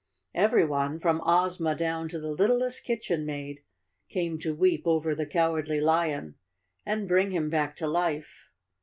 Everyone, from Ozma down to the littlest kitchen maid, came to weep over the Cowardly Lion, and bring him back to life.